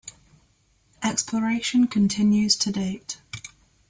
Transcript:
Exploration continues to date.